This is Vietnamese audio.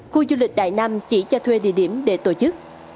khu du lịch đại nam chỉ cho thuê địa điểm để tổ chức